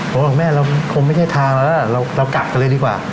ผมบอกแม่เราคงไม่ใช่ทางแล้วเรากักกันเลยดีกว่า